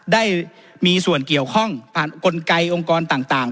ได้มีส่วนเกี่ยวข้องผ่านกลไกองค์กรต่าง